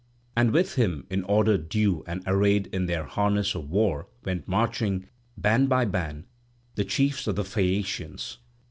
And with him in order due and arrayed in their harness of war went marching, band by band, the chiefs of the Phaeacians.